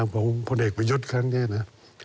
พ่อนเอกบริยุทธิ์ครั้งนี้นะ